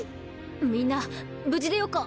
みんな無事でよかっ。